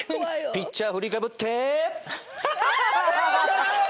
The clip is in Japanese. ピッチャー振りかぶって。